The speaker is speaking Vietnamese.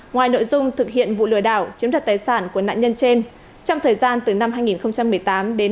ngoài nội dung thực hiện vụ lừa đảo chiếm đoạt tài sản của nạn nhân trên